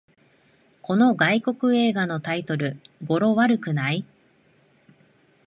この外国映画のタイトル、語呂悪くない？